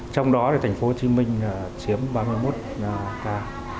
trong đó thì thành phố hồ chí minh chiếm ba mươi một ca